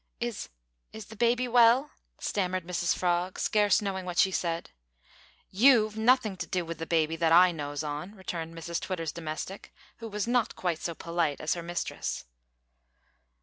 "Is is the baby well?" stammered Mrs Frog, scarce knowing what she said. "You've nothink to do wi' the baby that I knows on," returned Mrs Twitter's domestic, who was not quite so polite as her mistress.